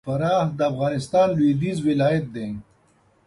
فراه د افغانستان لوېدیځ ولایت دی